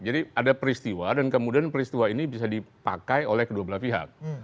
jadi ada peristiwa dan kemudian peristiwa ini bisa dipakai oleh kedua belah pihak